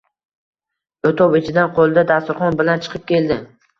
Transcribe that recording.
O‘tov ichidan qo‘lida dasturxon bilan chiqib keldi.